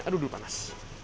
aduh dulu panas